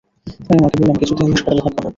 আমি মাকে বললাম, কিছুতেই আমি হাসপাতালে থাকব না।